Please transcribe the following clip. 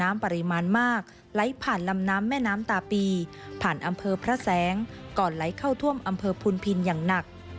ปริมาณมากไหลผ่านลำน้ำแม่น้ำตาปีผ่านอำเภอพระแสงก่อนไหลเข้าท่วมอำเภอพุนพินอย่างหนัก